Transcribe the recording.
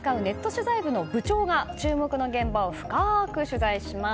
取材部の部長が注目の現場を深く取材します。